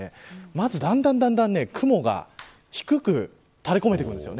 まず、だんだん雲が低く垂れ込めてくるんです。